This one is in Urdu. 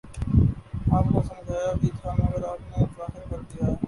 آپ کو سمجھایا بھی تھا مگر آپ نے ظاہر کر دیا۔